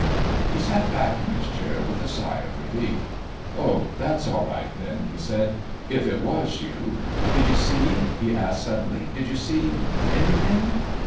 He sat back in his chair with a sigh of relief. "Oh, that's all right then," he said, "if it was you. Did you see," he asked suddenly; "did you see anything?"